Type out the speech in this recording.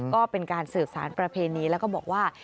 ก็เป็นการสืบสารประเพณีแล้วก็บอกว่า